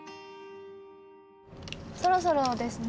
そろそろですね。